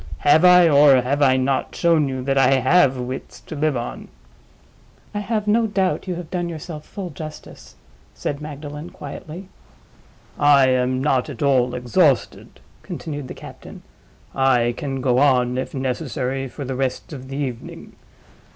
have I, or have I not, shown you that I have wits to live on?" "I have no doubt you have done yourself full justice," said Magdalen, quietly. "I am not at all exhausted," continued the captain. "I can go on, if necessary, for the rest of the evening.